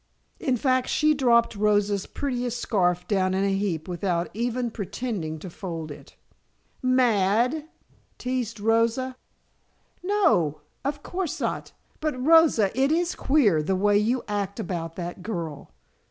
In fact, she dropped Rosa's prettiest scarf down in a heap without even pretending to fold it. "Mad?" teased Rosa. "No, of course not. But Rosa, it is queer, the way you act about that girl."